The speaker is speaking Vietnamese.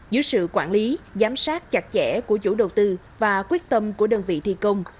dưới sự quản lý giám sát chặt chẽ của chủ đầu tư và quyết tâm của đơn vị thi công